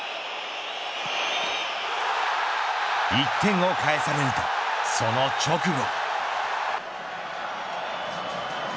１点を返されると、その直後。